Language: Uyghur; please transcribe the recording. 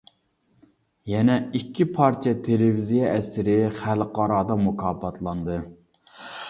يەنە ئىككى پارچە تېلېۋىزىيە ئەسىرى خەلقئارادا مۇكاپاتلاندى.